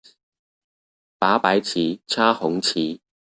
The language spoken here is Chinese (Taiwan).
拔白旗、插紅旗